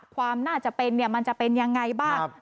ความน่าจะเป็นมันจะเป็นยังไงบ้าง